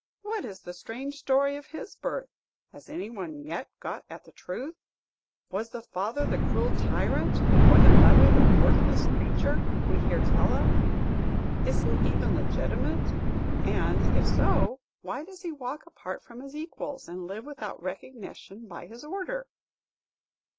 'What is the strange story of his birth? Has any one yet got at the truth? Was the father the cruel tyrant, or the mother the worthless creature, we hear tell of? Is he even legitimate, and, if so, why does he walk apart from his equals, and live without recognition by his order?'